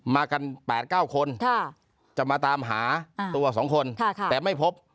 มากัน๘๙คนจะมาตามหาตัว๒คนแต่ไม่พบ